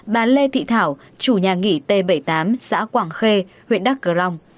bà lê thị thảo chủ nhà nghỉ t bảy mươi tám xã quảng khê huyện đắk cờ rông